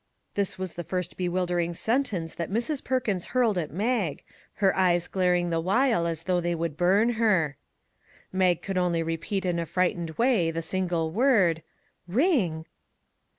This was the first bewil dering sentence that Mrs. Per kins hurled at Mag, her eyes glaring the while as though they would burn her. Mag could only repeat in a frightened way the single word :" Ring